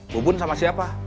bu bun sama siapa